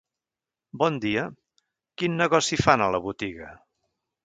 Bon dia, quin negoci fan a la botiga?